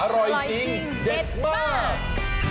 อร่อยจริงเด็ดมาก